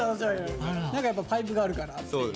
何かやっぱパイプがあるからって。